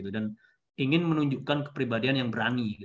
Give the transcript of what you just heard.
dan ingin menunjukkan kepribadian yang berani